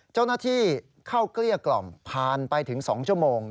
เจ้าหน้าที่เข้าเกลี้ยกล่อมผ่านไปถึง๒ชั่วโมง